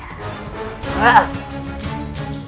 aku siap menjadi pengikut